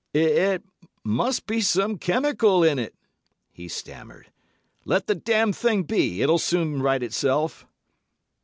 'It must be some chemical in it,' he stammered. 'Let the damned thing be; it'll soon right itself.